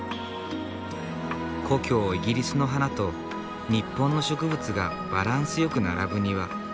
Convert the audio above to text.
故郷イギリスの花と日本の植物がバランスよく並ぶ庭。